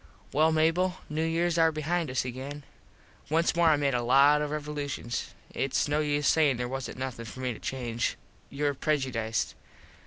Well, Mable, New Years are behind us again. Once more I made a lot of revolushuns. Its no use sayin there wasnt nothin for me to change. Youre prejudiced.